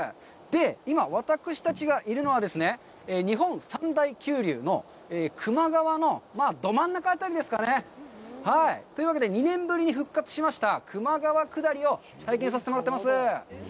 今、私たちがいるのはですね、日本三大急流の球磨川のど真ん中辺りですかね。というわけで２年ぶりに復活しました球磨川くだりを体験させてもらってます。